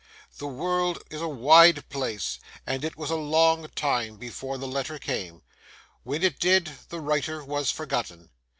The world is a wide place, and it was a long time before the letter came; when it did, the writer was forgotten.